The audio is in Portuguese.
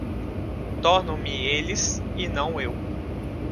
Torno-me eles e não eu.